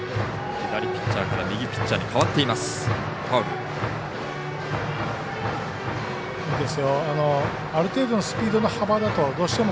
左ピッチャーから右ピッチャーに代わっています。